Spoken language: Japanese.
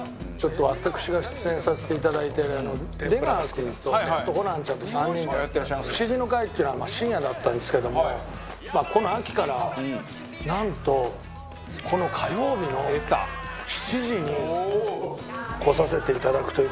私が出演させていただいてる出川君とホランちゃんと３人でやってる『フシギの会』っていうのが深夜だったんですけどもこの秋から、なんとこの火曜日の７時に来させていただくという事で。